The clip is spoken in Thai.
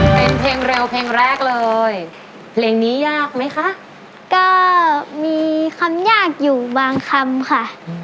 เป็นเพลงเร็วเพลงแรกเลยเพลงนี้ยากไหมคะก็มีคำยากอยู่บางคำค่ะ